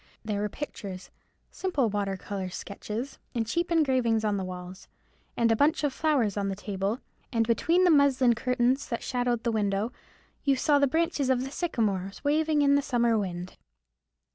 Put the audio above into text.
There were pictures,—simple water colour sketches,—and cheap engravings on the walls, and a bunch of flowers on the table, and between the muslin curtains that shadowed the window you saw the branches of the sycamores waving in the summer wind.